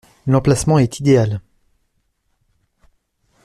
L’emplacement est idéal.